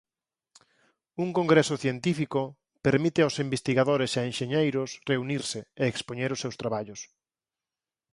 Un congreso científico permite ós investigadores e enxeñeiros reunirse e expoñer os seus traballos.